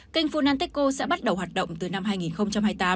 kênh funteco sẽ bắt đầu hoạt động từ năm hai nghìn hai mươi tám